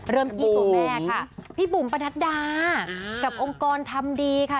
เริ่มที่ตัวแม่ค่ะพี่บุ๋มประทัดดากับองค์กรทำดีค่ะ